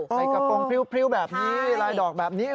กระโปรงพริ้วแบบนี้ลายดอกแบบนี้